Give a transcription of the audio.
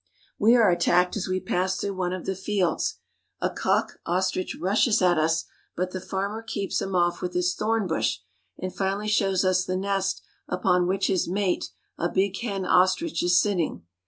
We are attacked as we pass through one of the fields. A cock ostrich rushes at us, but the farmer keeps him off with his thorn bush, and finally shows us the nest upon which his mate, a big hen ostrich, is sitting.